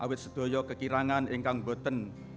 awet sedoyo kekirangan engkong beten